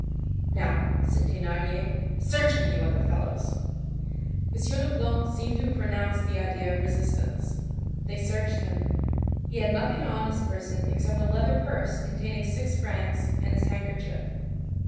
"Now," said Thénardier, "search him, you other fellows!" M. Leblanc seemed to have renounced the idea of resistance. They searched him. He had nothing on his person except a leather purse containing six francs, and his handkerchief.